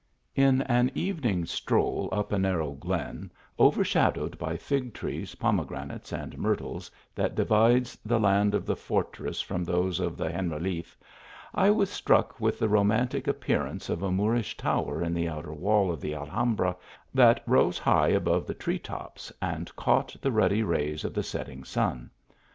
IN an evening ;; stroll up a narrow glen, over shadowed by fig trees, pomegranates and myrtles, fhat divides the land of the fortress from those of the Generaliffe, I was struck with the romantic ap pearance of a Moorish tower in the outer wall of the Alhambra, that rose high above the tree tops, and caught the ruddy rays of the setting, sun.